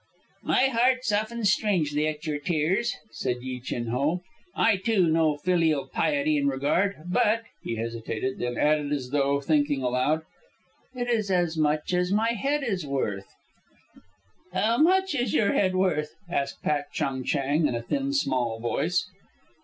"My heart softens strangely at your tears," said Yi Chin Ho. "I, too, know filial piety and regard. But " He hesitated, then added, as though thinking aloud, "It is as much as my head is worth." "How much is your head worth?" asked Pak Chung Chang in a thin, small voice.